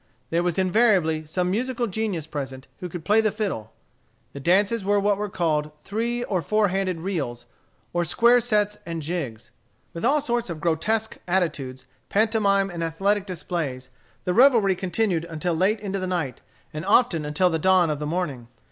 There was invariably some musical genius present who could play the fiddle. The dances were what were called three or four handed reels, or square sets and jigs. With all sorts of grotesque attitudes, pantomime and athletic displays, the revelry continued until late into the night, and often until the dawn of the morning.